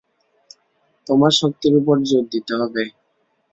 তোমার শক্তির উপর জোর দিতে হবে।